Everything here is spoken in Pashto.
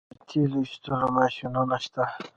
د تیلو ایستلو ماشینونه شته